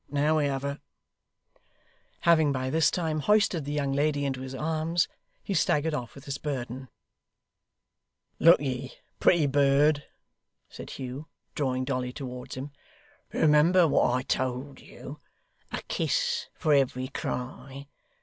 Now we have her.' Having by this time hoisted the young lady into his arms, he staggered off with his burden. 'Look ye, pretty bird,' said Hugh, drawing Dolly towards him. 'Remember what I told you a kiss for every cry.